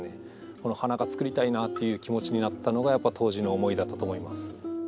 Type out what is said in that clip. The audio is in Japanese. この花がつくりたいなという気持ちになったのが当時の思いだったと思います。